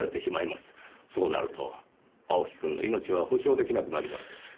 そうなると青木くんの命は保証できなくなります。